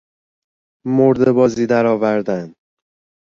مرده بازی در آوردن